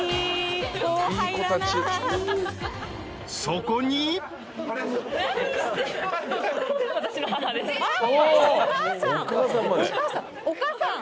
［そこに］お母さん？